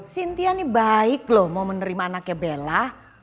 sintia ini baik loh mau menerima anaknya bella